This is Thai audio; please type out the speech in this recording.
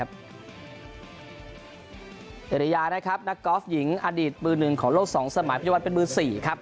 เอเหย์นักกอล์ฟหญิงอดีตมือหนึ่งของโลศสมัยพุทธเจ้าตั้งปัจจังวัฒน์เป็นมือสี่